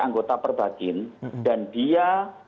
anggota perbakin dan dia